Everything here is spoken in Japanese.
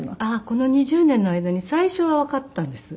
この２０年の間に最初はわかったんです。